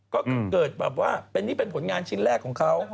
ก็คือเกิดแบบว่านี่เป็นผลงานชิ้นแรกของเขา